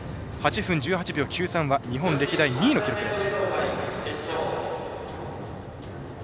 ８分１３秒９３は日本歴代２位の記録です。